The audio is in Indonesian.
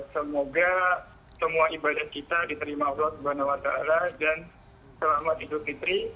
semoga semua ibadah kita diterima allah swt dan selamat idul fitri